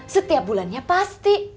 setiap bulannya pasti